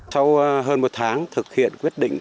sau hơn một tháng thực hiện quyết định